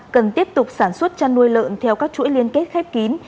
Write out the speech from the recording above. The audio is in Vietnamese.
cần tiếp tục sản xuất chăn nuôi lợn theo các chuỗi liên kết khép kín